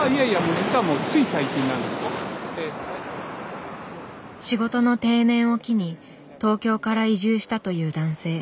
実はもう仕事の定年を機に東京から移住したという男性。